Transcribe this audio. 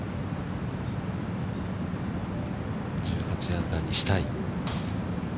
１８アンダーにしたい。